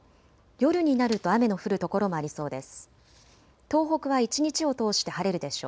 夜になると雨の降る所もありそうです。